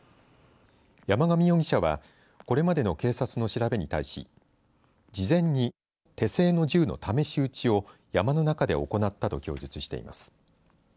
山上容疑者はこれまでの警察の調べに対し事前に手製の銃の試し撃ちを山の中で行ったと供述しています。